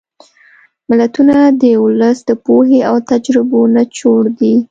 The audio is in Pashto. متلونه د ولس د پوهې او تجربو نچوړ دي